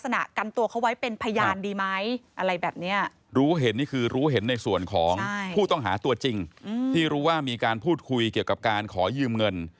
ในส่วนของผู้ต้องหาตัวจริงที่รู้ว่ามีการพูดคุยเกี่ยวกับการขอยืมเงิน